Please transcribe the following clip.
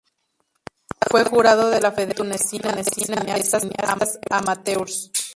Fue jurado de la Federación Tunecina de Cineastas Amateurs.